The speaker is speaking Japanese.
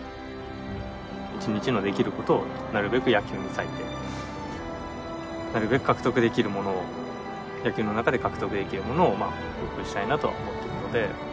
一日のできることをなるべく野球に割いてなるべく獲得できるモノを野球の中で獲得できるモノを多くしたいなとは思っているので。